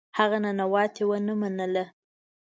هغه ننواتې ونه منله.